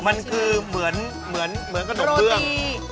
มันคือเหมือนขนมเบื้อง